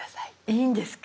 いいんですか？